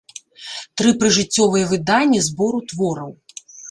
Тры прыжыццёвыя выданні збору твораў.